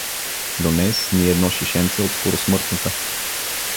Донес ни едно шишенце от скоросмъртната.